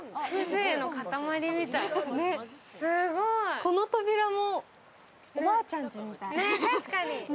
この扉もおばあちゃんちみたい。